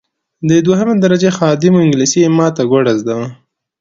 دی دوهمه درجه خادم وو انګلیسي یې ماته ګوډه زده وه.